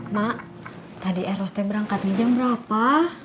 mak tadi air hoste berangkat nih jam berapa